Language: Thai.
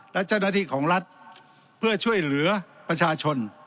และเจ้าหน้าที่ของรัฐเพื่อช่วยเหลือประชาชน